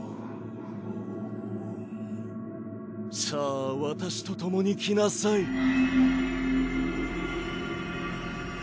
さあ私とともに来なさい。